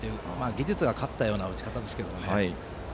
技術が勝ったような打ち方ですけどね。